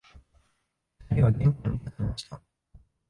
二人は玄関に立ちました